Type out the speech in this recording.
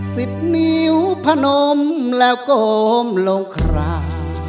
สิบนิ้วผนมและโกมลงครา